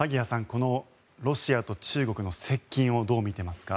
このロシアと中国の接近をどう見ていますか？